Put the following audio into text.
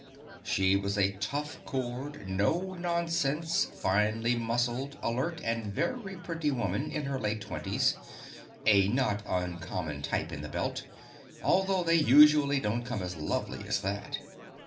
She was a tough cored, no nonsense, finely muscled, alert, and very pretty woman in her late twenties a not uncommon type in the Belt, although they usually don't come as lovely as that.